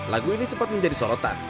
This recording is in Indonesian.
lagu ini sempat menjadi sorotan